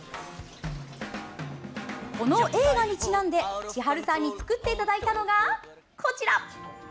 この映画にちなんで、千晴さんに作っていただいたのが、こちら。